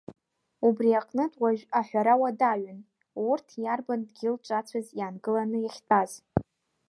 Убри аҟнытә уажә аҳәара уадаҩын урҭ иарбан дгьыл ҿацәыз иаанкыланы иахьтәаз.